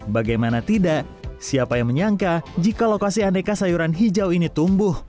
bagaimana tidak siapa yang menyangka jika lokasi aneka sayuran hijau ini tumbuh